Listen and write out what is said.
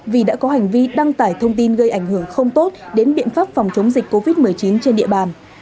vì đã có hành vi đăng tải thông tin gây ảnh hưởng không tốt đến biện pháp phòng chống dịch covid một mươi chín trên địa bàn